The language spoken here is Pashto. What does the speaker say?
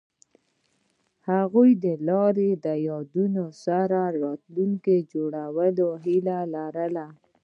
هغوی د لاره له یادونو سره راتلونکی جوړولو هیله لرله.